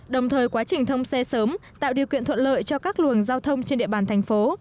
đồng thời quá trình thông xe sớm tạo điều kiện thuận lợi cho các luồng giao thông trên địa bàn thành phố